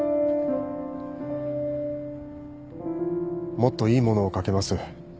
もっといいものを描けます